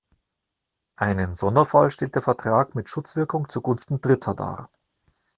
Einen Sonderfall stellt der Vertrag mit Schutzwirkung zugunsten Dritter dar.